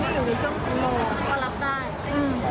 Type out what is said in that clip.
ไม่ได้อยู่ในเจ้าคุณโม